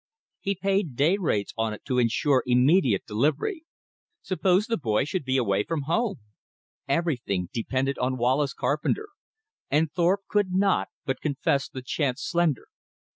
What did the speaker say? He paid day rates on it to insure immediate delivery. Suppose the boy should be away from home! Everything depended on Wallace Carpenter; and Thorpe could not but confess the chance slender.